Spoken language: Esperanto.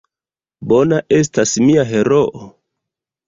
Bona estas mia heroo?